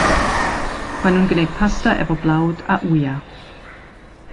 Mae nhw'n gwneud pasta efo blawd a wyau.